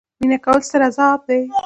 مینه کول هم ستر عذاب دي.